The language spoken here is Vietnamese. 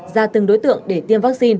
ra từng đối tượng để tiêm